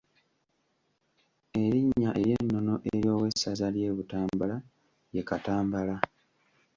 Erinnya ery’ennono ery’owessaza ly’e Butambala ye Katambala.